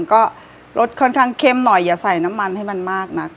ก็รสค่อนข้างเข้มหน่อยอย่าใส่น้ำมันให้มันมากนัก